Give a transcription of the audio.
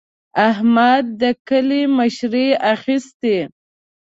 احمد د کلي مشري اخېستې.